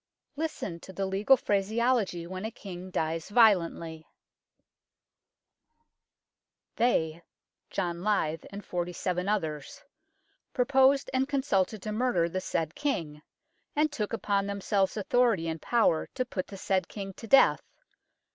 Listen to the legal phraseology when a King dies violently " They [John Lisle and forty seven others] proposed and consulted to murder the said King, and took upon themselves authority and power to put the said King to death.